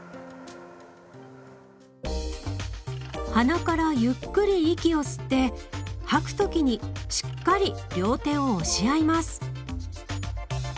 鼻からゆっくり息を吸って吐く時にしっかり両手を押し合います。